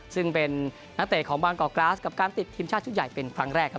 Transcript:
ซึ่งเป็นนักเตะของบางกอกกราสกับการติดทีมชาติชุดใหญ่เป็นครั้งแรกครับ